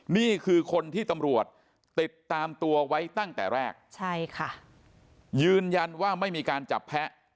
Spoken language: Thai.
นี่คือคนที่ตำรวจติดตามตัวไว้ตั้งแต่แรกใช่ค่ะยืนยันว่าไม่มีการจับแพ้